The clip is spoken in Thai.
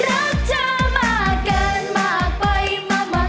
รักเธอมากเกินมากไปมา